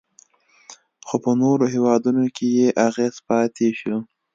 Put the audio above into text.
خو په نورو هیوادونو کې یې اغیز پاتې شو